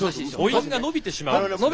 母音が伸びてしまうんですね。